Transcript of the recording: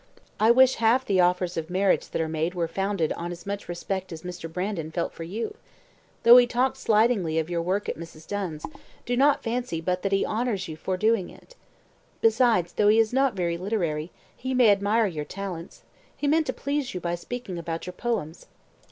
I wish half the offers of marriage that are made were founded on as much respect as Mr. Brandon felt for you. Though he talked slightingly of your work at Mrs. Dunn's, do not fancy but that he honours you for doing it. Besides, though he is not very literary, he may admire your talents. He meant to please you by speaking about your poems."